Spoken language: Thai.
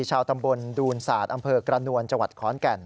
ชาวตำบลดูนศาสตร์อำเภอกระนวลจังหวัดขอนแก่น